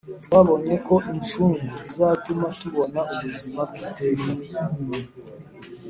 twabonye ko incungu izatuma tubona ubuzima bw iteka